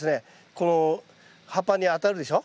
この葉っぱに当たるでしょ？